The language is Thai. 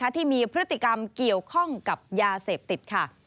ที่มีพฤติกรรมเกี่ยวข้องกับยาเสพติดค่ะ